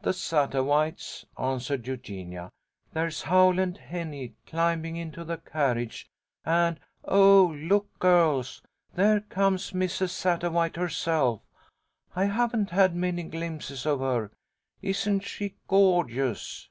"The Sattawhites," answered Eugenia. "There's Howl and Henny climbing into the carriage, and, oh, look, girls! There comes Mrs. Sattawhite herself. I haven't had many glimpses of her. Isn't she gorgeous!